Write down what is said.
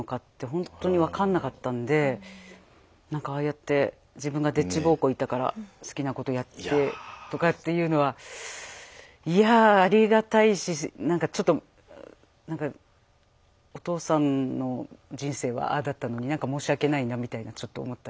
ほんとに分かんなかったんでなんかああやって「自分がでっち奉公行ったから好きなことやって」とかっていうのはいやぁありがたいしなんかちょっとなんかお父さんの人生はああだったのになんか申し訳ないなみたいなちょっと思ったり。